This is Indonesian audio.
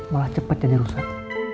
malah cepet jadi rusak